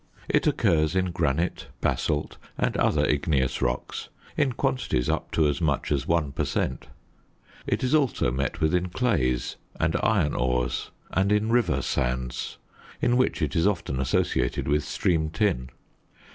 It occurs in granite, basalt, and other igneous rocks in quantities up to as much as 1 per cent. It is also met with in clays and iron ores, and in river sands, in which it is often associated with stream tin.